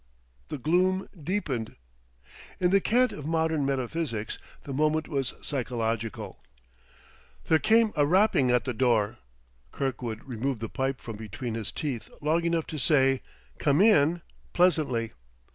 The gloom deepened. In the cant of modern metaphysics, the moment was psychological. There came a rapping at the door. Kirkwood removed the pipe from between his teeth long enough to say "Come in!" pleasantly.